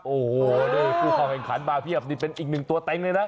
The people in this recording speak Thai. โอ้โหนี่ผู้เข้าแข่งขันมาเพียบนี่เป็นอีกหนึ่งตัวเต็งเลยนะ